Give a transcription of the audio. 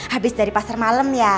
habis dari pasar malam ya